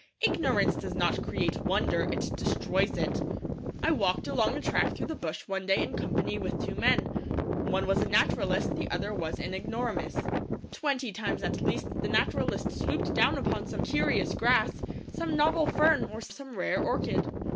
Ignorance does not create wonder; it destroys it. I walked along a track through the bush one day in company with two men. One was a naturalist; the other was an ignoramus. Twenty times at least the naturalist swooped down upon some curious grass, some novel fern, or some rare orchid.